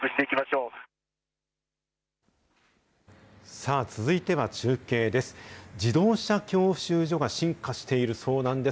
さあ、続いては中継です。